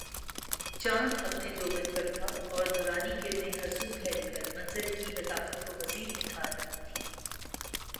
چاند اپنے جوبن پر تھا اور نورانی کرنیں ہر سو پھیل کر منظر کی لطافت کو مزید نکھار رہی تھیں